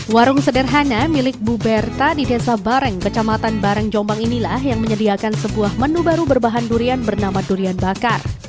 warung sederhana milik bu berta di desa bareng kecamatan bareng jombang inilah yang menyediakan sebuah menu baru berbahan durian bernama durian bakar